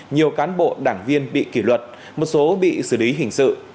nhiều cán bộ đảng viên bị kỷ luật một số bị xử lý hình sự